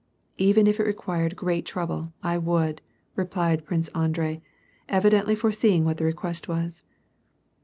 " Even if it required great trouble, I would," replied Prince Andrei, evidently foreseeing what the request ^ifas.